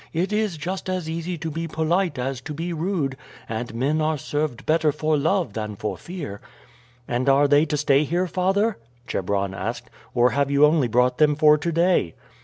It is just as easy to be polite as to be rude, and men are served better for love than for fear." "And are they to stay here, father," Chebron asked, "or have you only brought them for to day?"